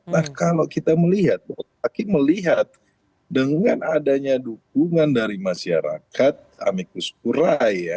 nah kalau kita melihat hakim melihat dengan adanya dukungan dari masyarakat amikus pura ya